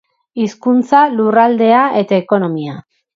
Hizkuntza, lurraldea eta ekonomia.